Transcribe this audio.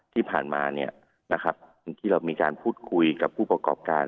ที่ผ่านมาที่เรามีการพูดคุยกับผู้ประกอบการ